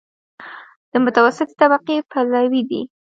د متوسطې طبقې پلوی دی.